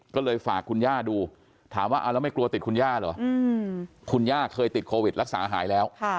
ก็เลยฝากคุณย่าดูถามว่าเอาแล้วไม่กลัวติดคุณย่าเหรอคุณย่าเคยติดโควิดรักษาหายแล้ว